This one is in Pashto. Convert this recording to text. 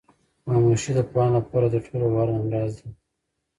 خاموشي د پوهانو لپاره تر ټولو غوره همراز ده.